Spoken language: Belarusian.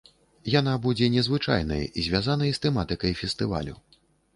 Яна будзе незвычайнай, звязанай з тэматыкай фестывалю.